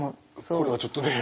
これはちょっとねえ。